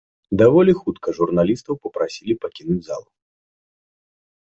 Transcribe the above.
Даволі хутка журналістаў папрасілі пакінуць залу.